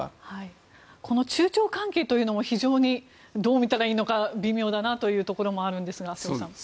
この中朝関係も非常にどう見たらいいのか微妙だなというところもありますね、瀬尾さん。